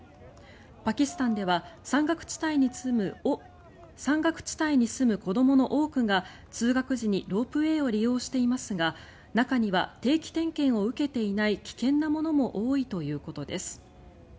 パキスタンでは山岳地帯に住む子どもの多くが通学時にロープウェーを利用していますが中には、定期点検を受けていない危険なものも多いということです。